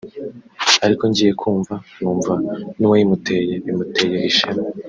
ariko ngiye kumva numva nuwayimuteye bimuteye ishema